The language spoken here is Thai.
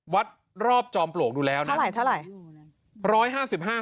วัดรอบจอมปลวกดูแล้วนะเท่าไหร่